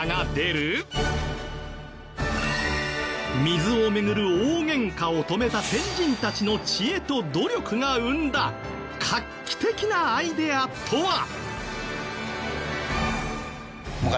水を巡る大ゲンカを止めた先人たちの知恵と努力が生んだ画期的なアイデアとは？